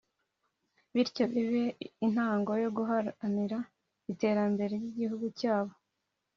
bityo bibe intango yo guharanira iterambere ry’igihugu cyabo